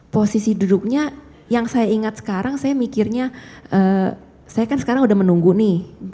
posisi duduknya yang saya ingat sekarang saya mikirnya saya kan sekarang udah menunggu nih